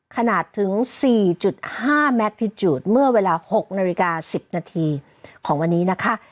ขนาดถึง๔๕แมคทิจูดเมื่อเวลา๖นาฬิกา๑๐นาทีของวันนี้นะคะ